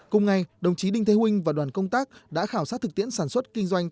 cùng ngày đồng chí đinh thế huynh và đoàn công tác đã khảo sát thực tiễn sản xuất kinh doanh